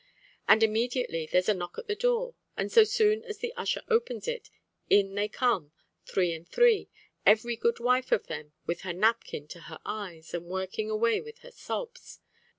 And immediately there's a knock at the door, and so soon as the usher opens it, in they come, three and three, every good wife of them with her napkin to her eyes, and working away with her sobs.